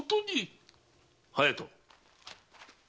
隼人！